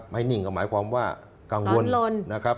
นิ่งก็หมายความว่ากังวลนะครับ